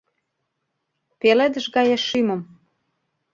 Пеледыш гае шӱмым